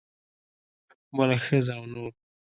بله ښځه او نور.